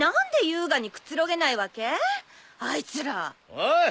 おい。